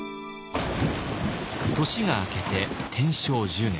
年が明けて天正１０年。